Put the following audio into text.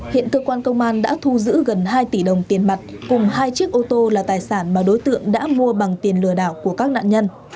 hiện cơ quan công an đã thu giữ gần hai tỷ đồng tiền mặt cùng hai chiếc ô tô là tài sản mà đối tượng đã mua bằng tiền lừa đảo của các nạn nhân